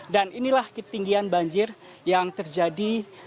dan inilah ketinggian banjir yang terjadi